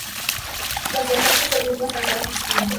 Los dialectos del grupo están casi extintos.